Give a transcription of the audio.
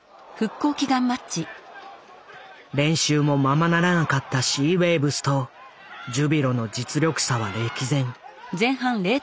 練習もままならなかったシーウェイブスとジュビロの実力差は歴然。